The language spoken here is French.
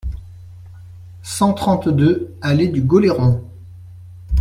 cent trente-deux allée du Goléron